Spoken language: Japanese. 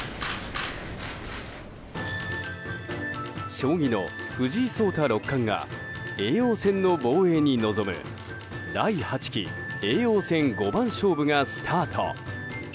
将棋の藤井聡太六冠が叡王戦の防衛に臨む第８期叡王戦五番勝負がスタート。